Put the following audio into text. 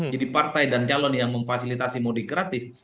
jadi partai dan calon yang memfasilitasi mudik gratis